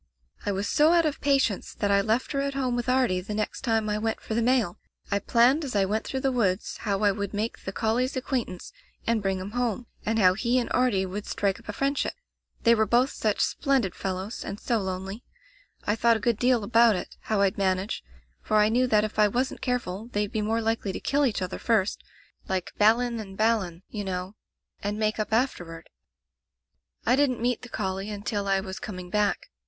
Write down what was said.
"I was so out of patience that I left her at home with Artie the next time I went for the mail. I planned as I went through the Digitized by LjOOQ IC The Gray Collie woods how I would make the collie's ac quaintance and bring him home, and how he and Artie would strike up a friendship. They were both such splendid fellows and so lonely. I thought a good deal about it, how rd manage, for I knew that if I wasn't careful they'd be more likely to kill each other first — ^like Balin and Balan, you know — and make up afterward. "I didn't meet the collie until I was com ing back.